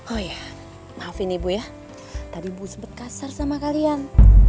oh iya maafin ibu ya tadi ibu sempet kasar sama kalian